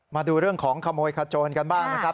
มาดูเรื่องของขโมยขโจรกันบ้างนะครับ